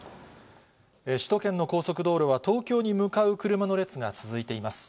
首都圏の高速道路は、東京に向かう車の列が続いています。